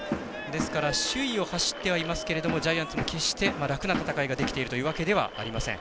ですから首位を走ってはいますがジャイアンツも決して、楽な戦いができているというわけではありません。